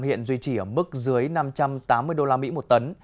hiện duy trì ở mức dưới năm trăm tám mươi usd một tấn